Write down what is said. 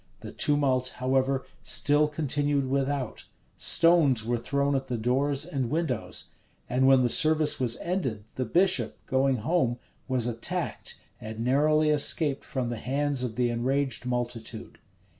The tumult, however, still continued without: stones were thrown at the doors and windows: and when the service was ended, the bishop, going home, was attacked, and narrowly escaped from the hands of the enraged multitude.